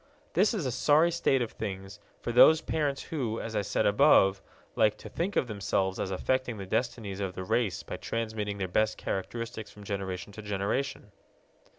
This is a sorry state of things for those parents who, as I said above, like to think of themselves as affecting the destinies of the race by transmitting their best characteristics from generation to generation.